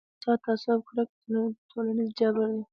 احساسات، تعصب او کرکه ټولنیز جبر دی.